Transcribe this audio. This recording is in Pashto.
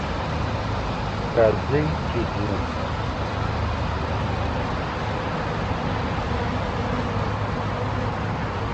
راځئ چې ځو!